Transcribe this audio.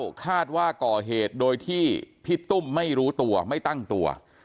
คาดว่าก่อเหตุโดยที่พี่ตุ้มไม่รู้ตัวไม่ตั้งตัว